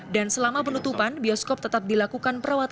dan selama penutupan bioskop tetap dilakukan perawatan